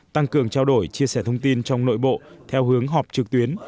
tăng cường trao đổi chia sẻ thông tin trong nội bộ theo hướng họp trực tuyến